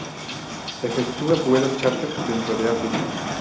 Efectúa vuelos chárter dentro de África.